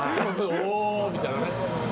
おおみたいなね。